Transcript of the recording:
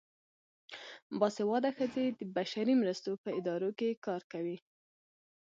باسواده ښځې د بشري مرستو په ادارو کې کار کوي.